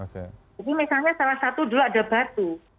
jadi misalnya salah satu dulu ada batu